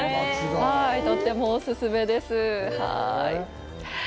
とってもお勧めです。